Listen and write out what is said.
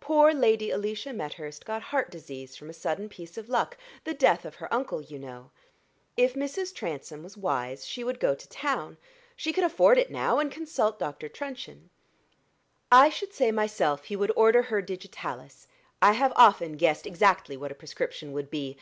"Poor Lady Alicia Methurst got heart disease from a sudden piece of luck the death of her uncle, you know. If Mrs. Transome was wise she would go to town she can afford it now, and consult Dr. Truncheon. I should say myself he would order her digitalis: I have often guessed exactly what a prescription would be.